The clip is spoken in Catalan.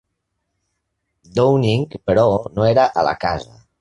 Downing, però no era a la casa.